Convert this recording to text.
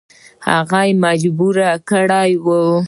هغه مجبور کړی وو.